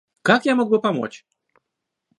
Как я мог бы помочь?